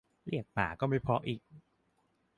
เรียกหมาก็ไม่เพราะอีก